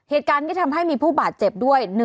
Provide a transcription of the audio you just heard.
เหตุการณ์นี้ทำให้มีผู้บาดเจ็บด้วย